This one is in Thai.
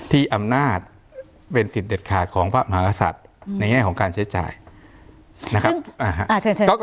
ที่อำนาจเป็นสิทธิ์เด็ดขาดของพระมหากษัตริย์ในแง่ของการใช้จ่ายนะครับ